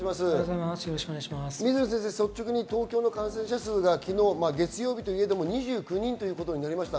先生、率直に東京の感染者数が昨日月曜日といえど２９人となりました。